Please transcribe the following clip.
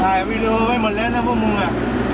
ถ่ายไม่เร็วไม่หมดเล่นแล้วพวกมึงอ่ะ